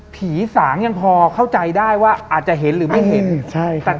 สางยังพอเข้าใจได้ว่าอาจจะเห็นหรือไม่เห็นใช่แต่